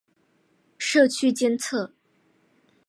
社區監測